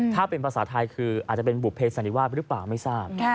ถ้าเป็นภาษาไทยคืออาจจะเป็นบุภเสันนิวาสหรือเปล่าไม่ทราบ